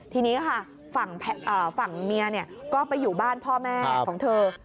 ทีนี้ค่ะฝั่งเมียก็ไปอยู่บ้านพ่อแม่ของเธอ